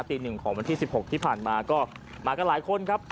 ตีหนึ่งของวันที่๑๖ที่ผ่านมาก็มากันหลายคนครับ